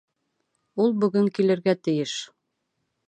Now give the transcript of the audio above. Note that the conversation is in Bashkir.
Ул бөгөн килергә тейеш.